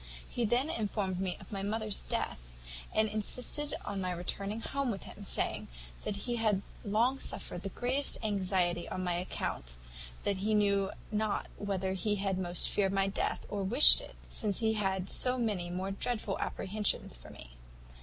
He then informed me of my mother's death, and insisted on my returning home with him, saying, `That he had long suffered the greatest anxiety on my account; that he knew not whether he had most feared my death or wished it, since he had so many more dreadful apprehensions for me.